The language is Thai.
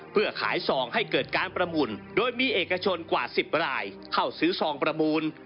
เพื่อขายซองให้เกิดการประมูลโดยมีเอกชนกว่า๑๐รายเข้าซื้อซองประมูล